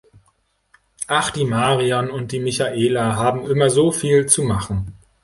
Ach, die Marion und die Michaela haben immer so viel zu machen.